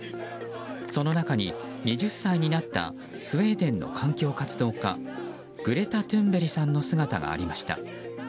その中に２０歳になったスウェーデンの環境活動家グレタ・トゥンベリさんの姿がありました。